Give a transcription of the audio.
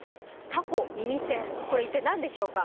タコ耳栓、これ、一体何でしょうか。